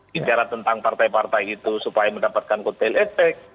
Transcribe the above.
bicara tentang partai partai itu supaya mendapatkan kutel etek